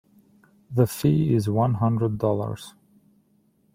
The fee is one hundred dollars.